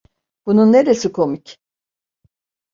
Bunun neresi komik?